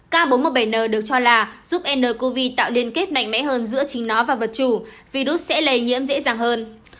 k bốn trăm một mươi bảy n được cho là giúp ncov tạo liên kết mạnh mẽ hơn giữa chính nó và vật chủ virus sẽ lây nhiễm dễ dàng hơn